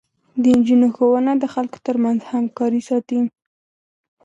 د نجونو ښوونه د خلکو ترمنځ همکاري ساتي.